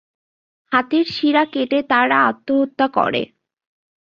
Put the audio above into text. হাতের শিরা কেটে তারা আত্মহত্যা করে।